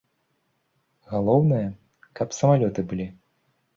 Галоўнае, каб самалёты былі.